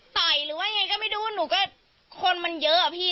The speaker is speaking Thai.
หรือว่ายังไงก็ไม่รู้หนูก็คนมันเยอะอะพี่